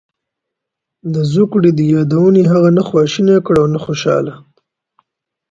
د زوکړې دې یادونې هغه نه خواشینی کړ او نه خوشاله.